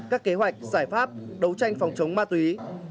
các kế hoạch giải pháp đấu tranh phòng chống ma túy